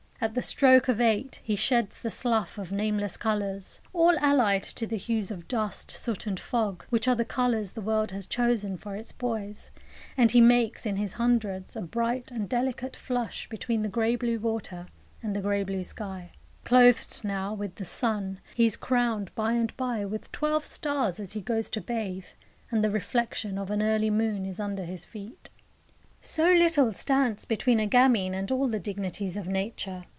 At the stroke of eight he sheds the slough of nameless colours all allied to the hues of dust, soot, and fog, which are the colours the world has chosen for its boys and he makes, in his hundreds, a bright and delicate flush between the grey blue water and the grey blue sky. Clothed now with the sun, he is crowned by and by with twelve stars as he goes to bathe, and the reflection of an early moon is under his feet. So little stands between a gamin and all the dignities of Nature.